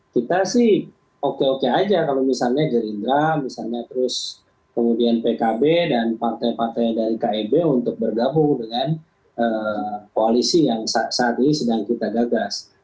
kita sih oke oke aja kalau misalnya gerindra misalnya terus kemudian pkb dan partai partai dari kib untuk bergabung dengan koalisi yang saat ini sedang kita gagas